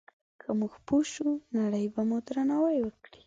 که موږ پوه شو، نړۍ به مو درناوی وکړي.